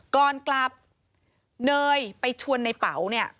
ก่อนกลับเนยไปชวนในเป๋าเนี่ย